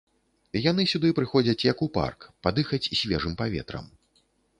Яны сюды прыходзяць як у парк, падыхаць свежым паветрам.